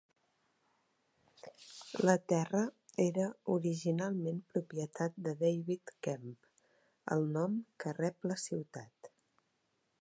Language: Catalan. La terra era originalment propietat de David Kemp, el nom que rep la ciutat.